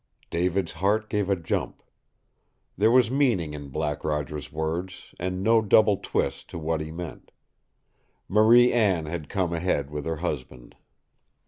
David's heart gave a jump. There was meaning in Black Roger's words and no double twist to what he meant. Marie Anne had come ahead with her husband!